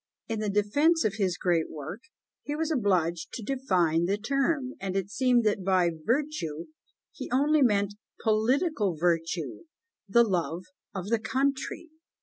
In the defence of his great work he was obliged to define the term; and it seems that by virtue he only meant political virtue, the love of the country.